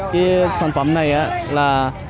cái sản phẩm này là